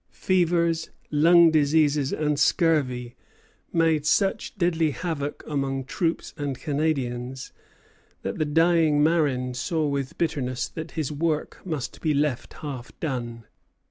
Fevers, lung diseases, and scurvy made such deadly havoc among troops and Canadians, that the dying Marin saw with bitterness that his work must be left half done.